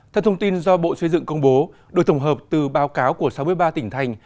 theo thông tin do bộ xây dựng công bố đội tổng hợp từ báo cáo của sáu mươi ba tỉnh thành